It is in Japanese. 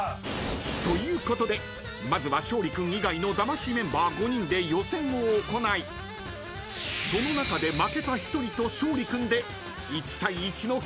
［ということでまずは勝利君以外の魂メンバー５人で予選を行いその中で負けた１人と勝利君で１対１の決勝戦］